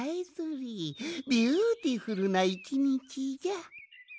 ビューティフルな１にちじゃ。